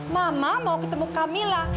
mama mau ketemu kamila